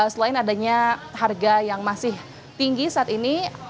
selain adanya harga yang masih tinggi saat ini